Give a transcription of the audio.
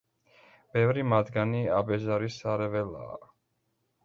ბევრი მათგანი აბეზარი სარეველაა.